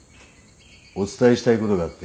お伝えしたいことがあって。